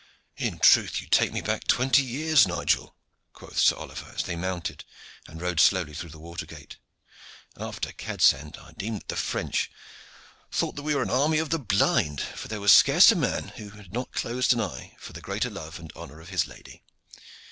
"In truth, you take me back twenty years, Nigel," quoth Sir Oliver, as they mounted and rode slowly through the water gate. "After Cadsand, I deem that the French thought that we were an army of the blind, for there was scarce a man who had not closed an eye for the greater love and honor of his lady.